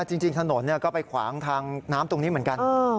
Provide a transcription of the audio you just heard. จริงถนนก็ไปขวางทางน้ำตรงนี้เหมือนกัน